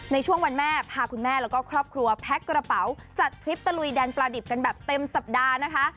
ในช่วงวันแม่พาคุณแม่แล้วก็ครอบครัวแพ็คกระเป๋าจัดทริปตะลุยแดนปลาดิบกันแบบเต็มสัปดาห์นะคะ